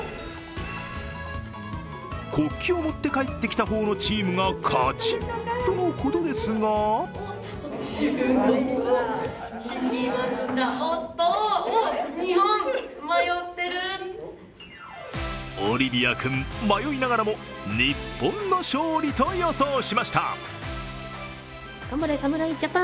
国旗を持って帰ってきた方のチームが勝ちとのことですがオリビア君、迷いながらも日本の勝利と予想しました。